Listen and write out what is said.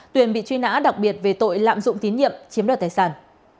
tuyền bị truy nã đặc biệt về tội lạm dụng tín nhiệm chiếm đoạt tài sản